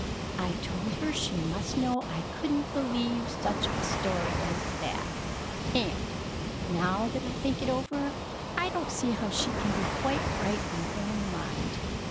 I told her she must know I couldn't believe such a story as that, and, now that I think it over, I don't see how she can be quite right in her mind.